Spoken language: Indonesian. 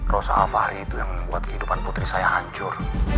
rasa al fahri itu yang membuat kehidupan putri saya hancur